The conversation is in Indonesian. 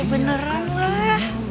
ya beneran lah